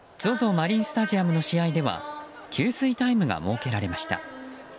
マリンスタジアムの試合では給水タイムが設けられました。